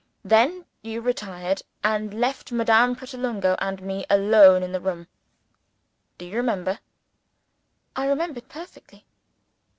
Then, you retired, and left Madame Pratolungo and me alone in the room. Do you remember?" I remembered perfectly.